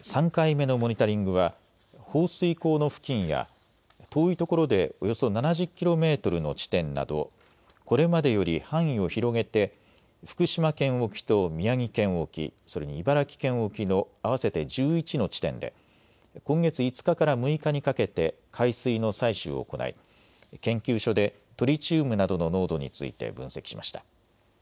３回目のモニタリングは放水口の付近や遠いところでおよそ７０キロメートルの地点などこれまでより範囲を広げて福島県沖と宮城県沖、それに茨城県沖の合わせて１１の地点で今月５日から６日にかけて海水の採取を行い、研究所でトリチウムなどの濃度について分析しました。